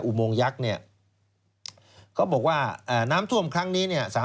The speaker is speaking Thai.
อุโมงยักษ์เนี่ยเขาบอกว่าน้ำท่วมครั้งนี้เนี่ย